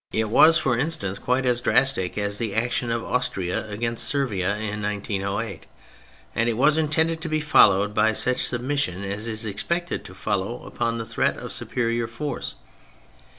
It was, for instance, THE MILITARY ASPECT 155 quite as di^astic as the action of Austria against Servia in 1908. And it was intended to be followed by such submission as is expected to follow upon the threat of superior force.